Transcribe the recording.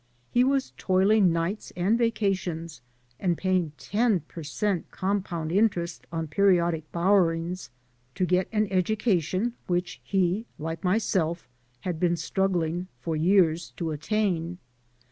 He was toiling nights and vacations, and paying ten per cent, compound interest on periodic borrowings, to get an education which he, like myself, had been struggling for years to attain.